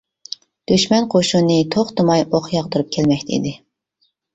دۈشمەن قوشۇنى توختىماي ئوق ياغدۇرۇپ كەلمەكتە ئىدى.